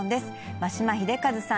眞島秀和さん